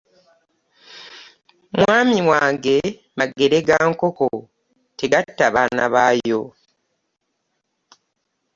Mwan wange magere ga nkonko tegatta baana baayo .